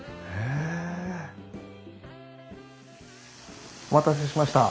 お待たせしました。